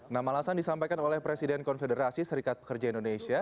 namalasan disampaikan oleh presiden konfederasi serikat pekerja indonesia